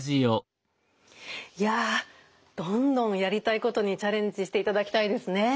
いやどんどんやりたいことにチャレンジしていただきたいですね。